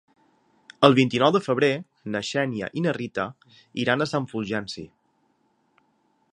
El vint-i-nou de febrer na Xènia i na Rita iran a Sant Fulgenci.